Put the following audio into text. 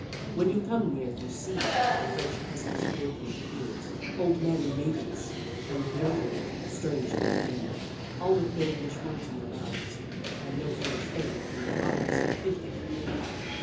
When you come near you see the French peasants working in the fields old men and maidens, and very old, strange looking women, all with no English words in their mouths and no English thing in their lives if they can avoid it.